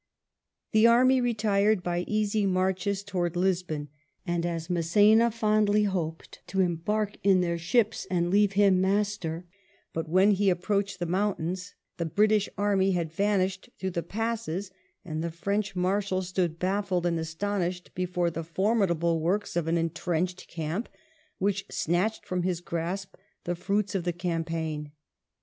The army retired by easy marches towards Lisbon, and as Mass^na fondly hoped to embark in their ships and leave him master; but when he approached the mountains the British army had vanished through the passes, and the French Marshal stood baffled and astonished before the formidable works of an entrenched camp which snatched from his grasp the fruits of the campaign.